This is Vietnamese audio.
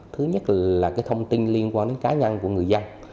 thứ nhất là thông tin liên quan đến cá nhân của người dân